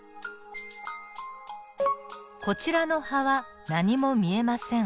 こちらの葉は何も見えません。